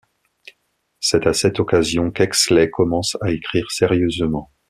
C’est à cette occasion qu’Exley commence à écrire sérieusement.